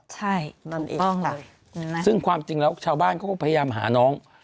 ใช่ถูกต้องเลยนั่นเองค่ะซึ่งความจริงแล้วชาวบ้านก็พยายามหาน้อง